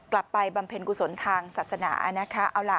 กลับไปบำเพ็ญกุศลทางศาสนานะคะ